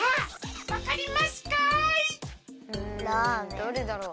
どれだろう。